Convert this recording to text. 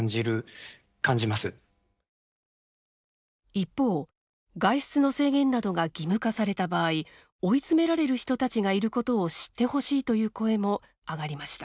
一方、外出の制限などが義務化された場合追い詰められる人たちがいることを知ってほしいという声も上がりました。